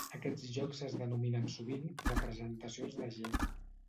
Aquests jocs es denominen sovint "representacions de G".